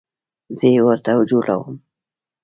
زه یې ورته جوړوم